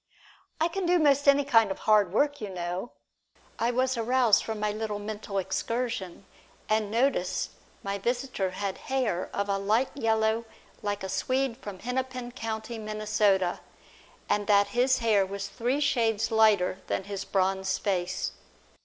"I can do most any kind of hard work, you know" I was aroused from my little mental excursion, and noticed that my visitor had hair of a light yellow like a Swede from Hennepin County, Minnesota, and that his hair was three shades lighter than his bronzed face.